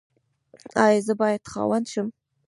ایا زه باید خاوند شم؟